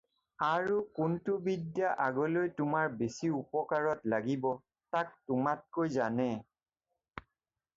আৰু কোনটো বিদ্যা আগলৈ তোমাৰ বেচি উপকাৰত লাগিব তাক তোমাতকৈ জানে।